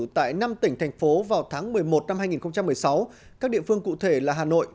tại năm tỉnh thành phố vào tháng một mươi một năm hai nghìn một mươi sáu các địa phương cụ thể là hà nội